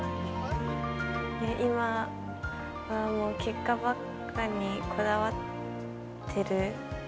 今はもう結果ばっかにこだわってる。